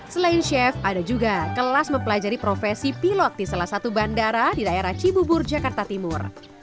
selain chef ada juga kelas mempelajari profesi pilot di salah satu bandara di daerah cibubur jakarta timur